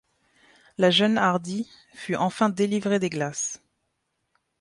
La Jeune-Hardie fut enfin délivrée des glaces